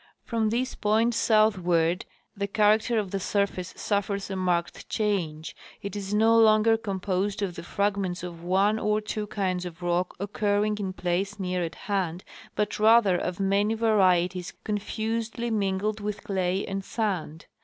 From this point southward the character of the surface suffers a marked change. It is no longer composed of the fragments of one or two kinds of rock occurring in place near at hand, but rather of many varieties confusedly mingled with clay and sand.